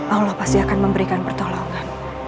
allah pasti akan memberikan pertolongan